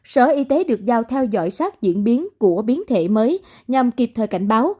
sở y tế được giao theo dõi sát diễn biến của biến thể mới nhằm kịp thời cảnh báo